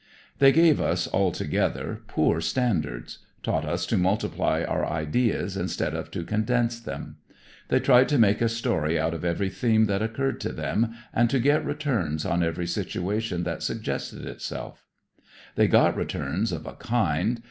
They gave us, altogether, poor standards taught us to multiply our ideas instead of to condense them. They tried to make a story out of every theme that occurred to them and to get returns on every situation that suggested itself. They got returns, of a kind.